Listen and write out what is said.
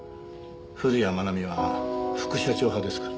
古谷愛美は副社長派ですから。